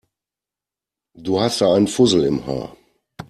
Du hast da einen Fussel im Haar.